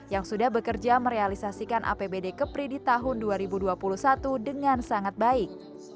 yang sudah bekerja merealisasikan apbd kepri di tahun dua ribu dua puluh satu dengan sangat baik